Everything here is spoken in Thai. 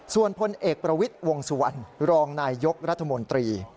ส่วนพลเอกประวิทย์วงสุวรรณรองนายยกรัฐมนตรี